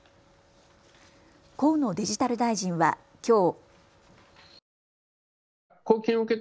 河野デジタル大臣はきょう。